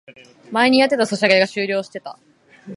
前にやってたソシャゲが終了してた